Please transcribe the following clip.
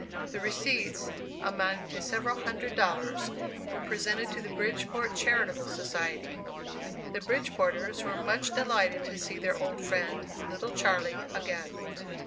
The receipts, amounting to several hundred dollars, were presented to the Bridgeport Charitable Society. The Bridgeporters were much delighted to see their old friend, "little Charlie," again.